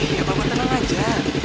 iya pak tenang aja